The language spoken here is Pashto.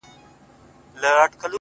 پربت باندي يې سر واچوه؛